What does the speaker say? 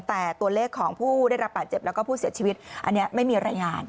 แต่ตัวเลขของผู้ได้รับบาดเจ็บแล้วก็ผู้เสียชีวิตอันนี้ไม่มีรายงาน